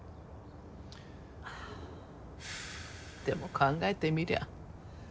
でも考えてみりゃ